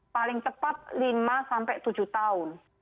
paling tepat lima sampai tujuh tahun